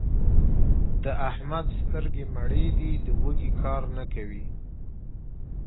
د احمد سترګې مړې دي؛ د وږي کار نه کوي.